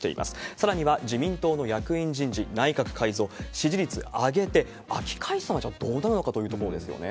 さらには、自民党の役員人事・内閣改造、支持率上げて、秋解散、じゃあどうなるのかというところですよね。